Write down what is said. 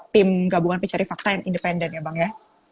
tim gabungan pencari fakta yang independen ya bang ya